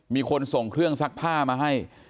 มีคนส่งเครื่องซักผ้ามาให้